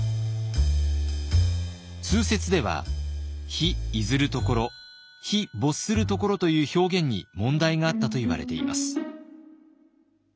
通説では「日出ずる処」「日没する処」という表現に問題があったといわれています。